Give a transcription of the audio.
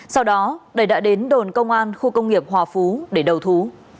sau đó đầy đã đến đồn công an khu công nghiệp hòa phú để đầu thú